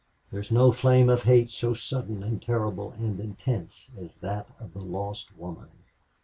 There is no flame of hate so sudden and terrible and intense as that of the lost woman.